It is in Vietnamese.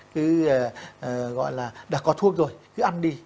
cứ gọi là đã có thuốc rồi cứ ăn đi